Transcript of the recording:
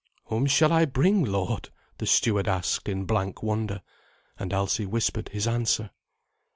"Whom shall I bring, lord?" the steward asked in blank wonder, and Alsi whispered his answer.